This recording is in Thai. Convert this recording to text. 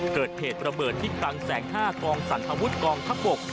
เกิดเหตุระเบิดที่คลังแสงห้ากองสรรพวุฒิกองทัพบก